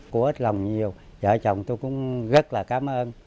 cô ít lòng nhiều vợ chồng tôi cũng rất là cảm ơn